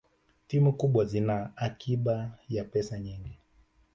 timu kubwa zina akiba ya pesa nyingi